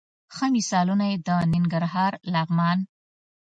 ښه مثالونه یې د ننګرهار، لغمان،